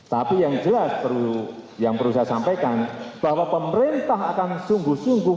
tapi yang jelas yang perlu saya sampaikan bahwa pemerintah akan sungguh sungguh